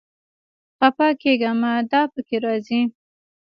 خپه کېږه مه، دا پکې راځي